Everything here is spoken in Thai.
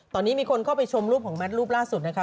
ตอนนี้มีคนเข้าไปชมรูปของแมทรูปล่าสุดนะคะ